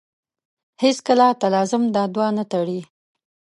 هېڅکله تلازم دا دوه نه تړي.